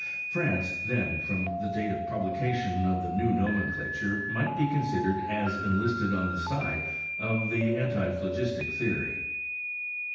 France, then, from thedateof the pub lication of the new nomenclature, might be considered as enlisted on the side of the antiphlogistic theory.